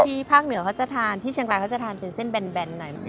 ภาคเหนือเขาจะทานที่เชียงรายเขาจะทานเป็นเส้นแบนหน่อย